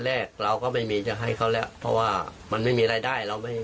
แรกเราก็ไม่มีจะให้เขาแล้วเพราะว่ามันไม่มีรายได้เราไม่